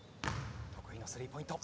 得意のスリーポイント。